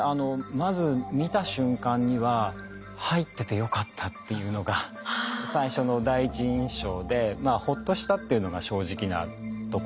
まず見た瞬間には入っててよかったっていうのが最初の第一印象でまあほっとしたっていうのが正直なところですね。